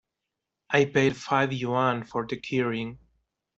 I paid five yuan for the keyring.